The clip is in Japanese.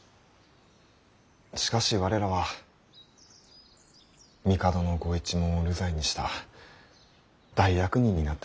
しかし我らは帝のご一門を流罪にした大悪人になってしまいました。